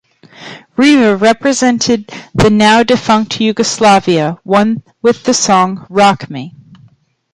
Riva, representing the now-defunct Yugoslavia, won with the song "Rock Me".